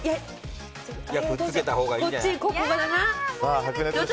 こっち、ここだな。